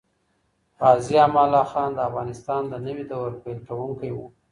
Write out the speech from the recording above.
غازي امان الله خان د افغانستان د نوي دور پیل کوونکی وو.